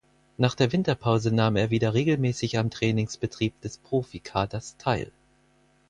Nach der Winterpause nahm er wieder regelmäßig am Trainingsbetrieb des Profikaders teil.